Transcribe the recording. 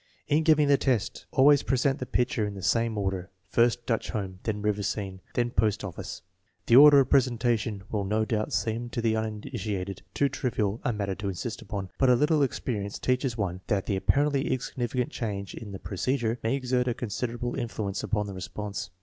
In giving the test, always present the pictures in the same order, first Dutch Home, then River Scene, then Post Office. The order of presentation will no doubt seem to the uninitiated too trivial a matter to insist upon, but a little experience teaches one that an apparently insignificant change in the procedure may exert a considerable influence upon the response.